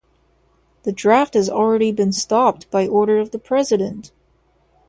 The draft has already been stopped by order of the President!